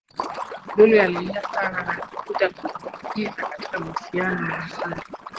Lulu alilia sana na alijuta kujiingiza katika uhusiano na Hasani